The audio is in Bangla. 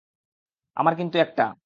আমার কিন্তু একটা।